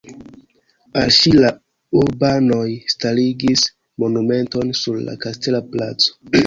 Al ŝi la urbanoj starigis monumenton sur la kastela placo.